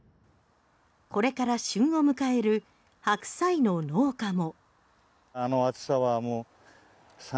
これから旬を迎えるハクサイの農家も。